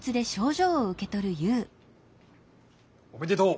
おめでとう。